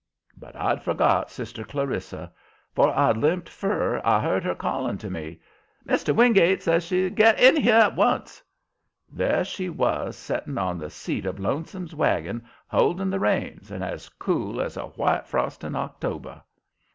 But I'd forgot sister Clarissa. 'Fore I'd limped fur I heard her calling to me. "Mr. Wingate," says she, "get in here at once." There she was, setting on the seat of Lonesome's wagon, holdin' the reins and as cool as a white frost in October.